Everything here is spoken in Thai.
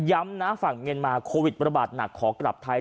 นะฝั่งเมียนมาโควิดระบาดหนักขอกลับไทย